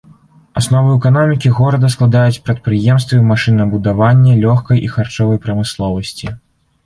Аснову эканомікі горада складаюць прадпрыемствы машынабудавання, лёгкай і харчовай прамысловасці.